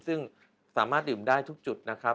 ซึ่งสามารถดื่มได้ทุกจุดนะครับ